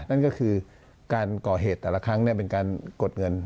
นั่นก็คือการก่อเหตุแต่ละครั้งเป็นการกดเงิน